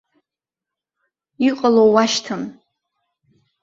Иҟало уашьҭан!